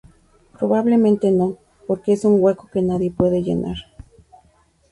Probablemente no, porque es un hueco que nadie puede llenar.